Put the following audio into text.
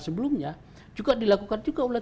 sebelumnya juga dilakukan juga oleh